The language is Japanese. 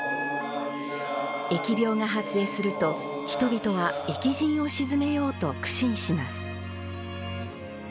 疫病が発生すると人々は疫神を鎮めようと苦心します。